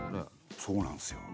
そうなんですよ。